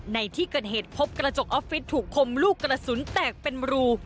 ในที่เกิดเหตุพบกระจกออฟฟิศถูกคมลูกกระสุนแตกเป็นรู